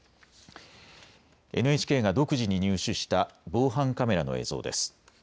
ＮＨＫが独自に入手した防犯カメラの映像です。